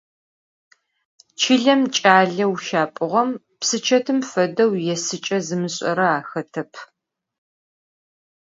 Çılem ç'aleu şap'uğem psıçetım fedeu yêsıç'e zımış'ere axetep.